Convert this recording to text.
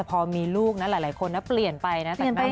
พอมีลูกหลายคนปลี่ยนไปแล้วนะคะ